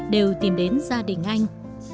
đều tìm đến gia đình anh